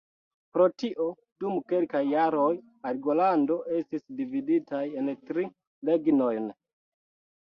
Pro tio, dum kelkaj jaroj, Argolando estis dividitaj en tri regnojn.